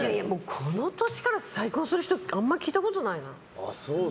この年から再婚する人ってあんま聞いたことないし。